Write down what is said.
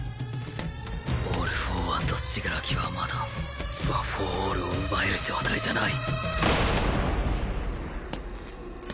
オール・フォー・ワンと死柄木はまだワン・フォー・オールを奪える状態じゃない